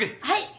はい。